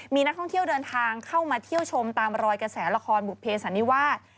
มีนักท่องเที่ยวเดินทางเข้ามาเที่ยวชมตามรอยกระแสละครบุเภสันนิวาส